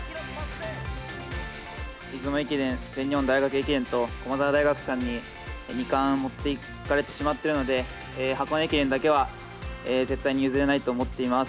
出雲駅伝、全日本大学駅伝と、駒澤大学さんに２冠を持っていかれてしまっているので、箱根駅伝だけは、絶対に譲れないと思っています。